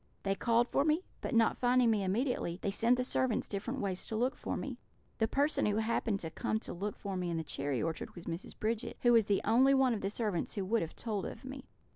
They called for me, but not finding me immediately, they sent the servants different ways to look for me. The person who happened to come to look for me in the cherry orchard was Mrs. Bridget, who was the only one of the servants who would have told of me.